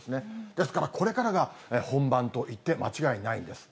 ですからこれからが本番といって間違いないんです。